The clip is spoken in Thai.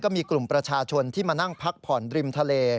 มีกลุ่มประชาชนที่มานั่งพักผ่อนริมทะเล